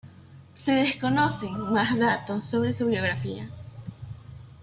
Se desconocen más datos sobre su biografía.